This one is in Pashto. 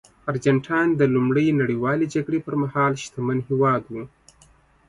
ارجنټاین د لومړۍ نړیوالې جګړې پرمهال شتمن هېواد و.